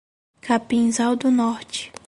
Capinzal do Norte